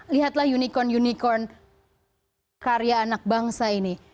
lihatlah unicorn unicorn karya anak bangsa ini